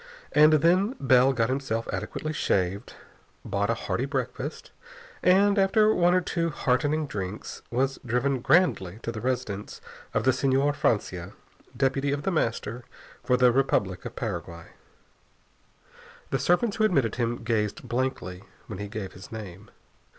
And then Bell got himself adequately shaved, bought a hearty breakfast, and, after one or two heartening drinks, was driven grandly to the residence of the Señor Francia, deputy of The Master for the republic of Paraguay. The servants who admitted him gazed blankly when he gave his name.